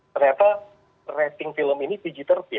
ternyata rating film ini pg tiga